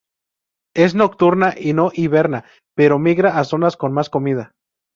Es nocturna y no hiberna, pero migra a zonas con más comida.